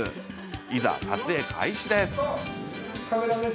いざ撮影開始です。